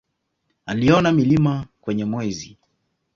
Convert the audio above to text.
Aliona milima kwenye Mwezi.